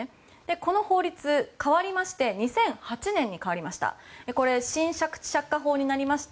この法律、変わりまして２００８年に変わりました。